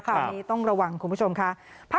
ครับต้องระวังคุณผู้ชมค่ะ